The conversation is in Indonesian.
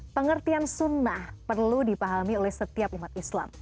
pengertian sunnah perlu dipahami oleh setiap umat islam